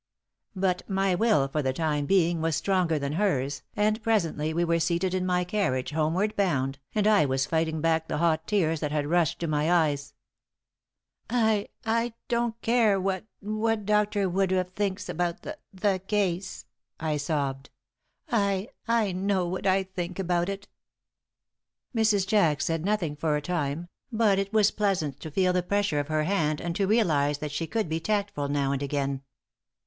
But my will for the time being was stronger than hers, and presently we were seated in my carriage, homeward bound, and I was fighting back the hot tears that had rushed to my eyes. "I I don't care what what Dr. Woodruff thinks about the the case," I sobbed. "I I know what I think about it." Mrs. Jack said nothing for a time, but it was pleasant to feel the pressure of her hand and to realize that she could be tactful now and again.